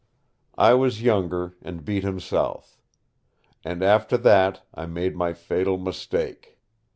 I was younger and beat him south. And after that I made my fatal mistake.